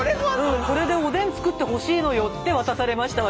これでおでん作ってほしいのよって渡されました私。